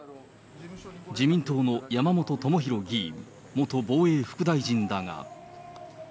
自民党の山本朋広議員、元防衛副大臣だが。